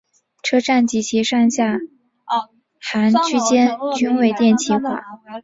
车站及其上下行区间均未电气化。